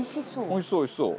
おいしそうおいしそう。